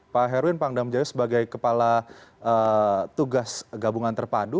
pak herwin pangdam jaya sebagai kepala tugas gabungan terpadu